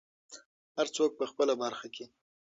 هر څوک په خپله برخه کې.